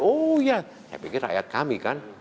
oh ya saya pikir rakyat kami kan